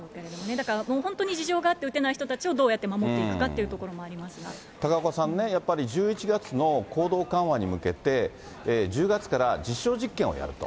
だから、もう本当に事情があって打てない人たちをどうやって守っていくか高岡さんね、やっぱり１１月の行動緩和に向けて、１０月から実証実験をやると。